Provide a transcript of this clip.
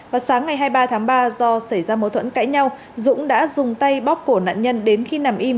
vào sáng ngày hai mươi ba tháng ba do xảy ra mối thuẫn cãi nhau dũng đã dùng tay bóc cổ nạn nhân đến khi nằm im